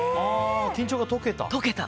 緊張が解けた。